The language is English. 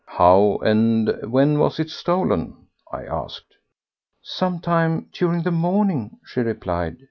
"How and when was it stolen?" I asked. "Some time during the morning," she replied.